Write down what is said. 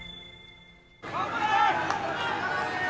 頑張れー！